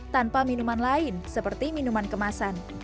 tanpa minuman lain seperti minuman kemasan